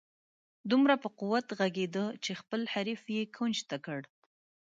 دومره په قوت ږغېده چې خپل حریف یې کونج ته کړ.